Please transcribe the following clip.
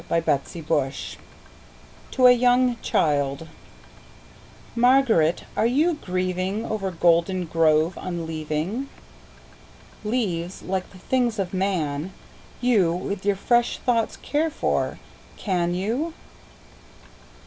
Spring and Fall to a young childMÁRGARÉT, áre you gríevingOver Goldengrove unleaving? Leáves, líke the things of man, youWith your fresh thoughts care for, can you?